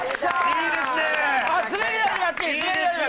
いいですよ！